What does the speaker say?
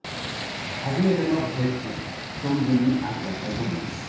初めてのプレッツェル存分に味わいたいと思います。